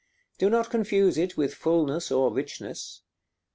Do not confuse it with fulness or richness.